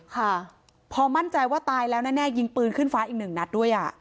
ค่ะพอมั่นใจว่าตายแล้วแน่ยิงปืนขึ้นฟ้าอีกหนึ่งนัดด้วยอ่ะ